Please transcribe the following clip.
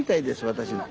私の。